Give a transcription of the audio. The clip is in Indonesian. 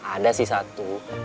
ada sih satu